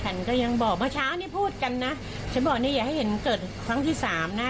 ฉันก็ยังบอกเมื่อเช้านี้พูดกันนะฉันบอกนี่อย่าให้เห็นเกิดครั้งที่สามนะ